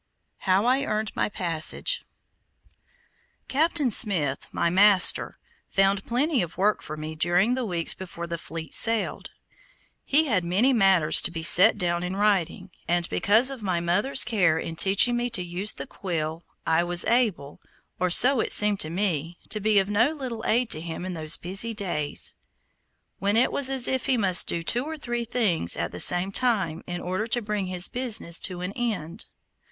HOW I EARNED MY PASSAGE Captain Smith, my master, found plenty of work for me during the weeks before the fleet sailed. He had many matters to be set down in writing, and because of my mother's care in teaching me to use the quill, I was able, or so it seemed to me, to be of no little aid to him in those busy days, when it was as if he must do two or three things at the same time in order to bring his business to an end.